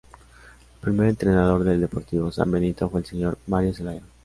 El primer entrenador del Deportivo San Benito fue el Señor: Mario Zelaya.